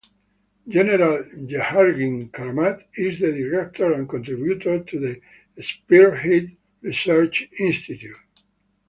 General Jehangir Karamat is the director and contributor to the Spearhead Research Institute.